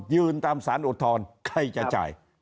ยืนตามสารอุทธรณ์ใครจะจ่าย